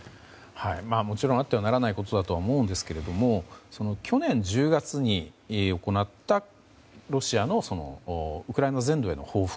もちろんあってはならないことだと思いますが去年１０月に行ったロシアのウクライナ全土への報復